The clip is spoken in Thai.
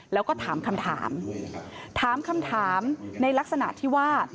แล้วก็ถามคำถามถามคำถามในลักษณะที่ว่า